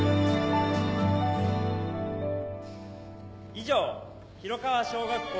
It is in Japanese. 以上広川小学校